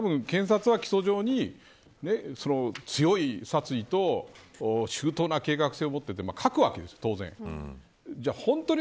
たぶん検察は起訴状に強い殺意と周到な計画性があってと書くわけです、当然。